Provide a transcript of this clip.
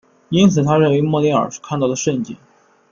因此他认为莫雷尔是看到了蜃景。